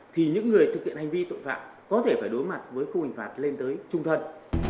thì những người thực hiện hành vi tội phạm có thể phải đối mặt với khung hình phạt lên tới trung thân